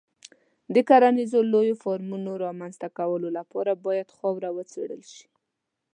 د کرنیزو لویو فارمونو رامنځته کولو لپاره باید خاوره وڅېړل شي.